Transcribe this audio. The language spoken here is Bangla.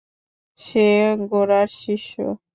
সে গোরার শিষ্য।